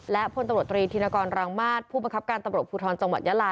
และพลตำรวจตรีธินกรรังมาตรผู้บังคับการตำรวจภูทรจังหวัดยาลา